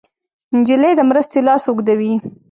نجلۍ د مرستې لاس اوږدوي.